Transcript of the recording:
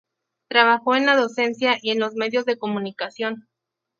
Trabajó en la docencia y en los medios de comunicación.